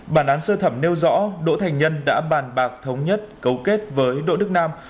bản án sơ thẩm nêu rõ đỗ thành nhân đã bàn bạc thống nhất cấu kết với đỗ đức nam